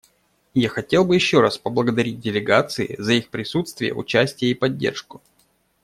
Я хотел бы еще раз поблагодарить делегации за их присутствие, участие и поддержку.